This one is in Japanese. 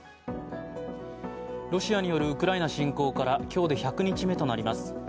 ロシアによるウクライナ侵攻から今日で１００日目となります。